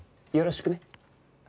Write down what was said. よろしくね。